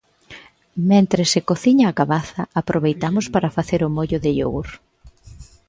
Mentres se cociña a cabaza aproveitamos para facer o mollo de iogur.